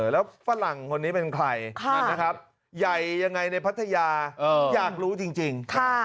แล้วฝรั่งคนนี้เป็นใครนะครับใหญ่ยังไงในพัทยาอยากรู้จริง